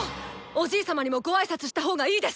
おじい様にもご挨拶した方がいいですか